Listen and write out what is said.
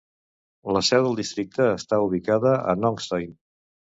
La seu de districte està ubicada a Nongstoin.